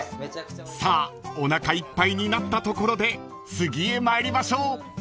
［さあおなかいっぱいになったところで次へ参りましょう］